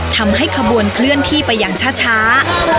ทำให้ขบวนเคลื่อนที่ไปอย่างช้า